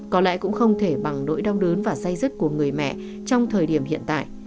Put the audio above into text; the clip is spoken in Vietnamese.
có lẽ cũng không thể bằng nỗi đau đớn và say rứt của người mẹ trong thời điểm hiện tại